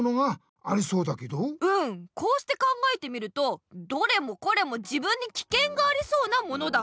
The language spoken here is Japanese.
うんこうして考えてみるとどれもこれも自分にきけんがありそうなものだ。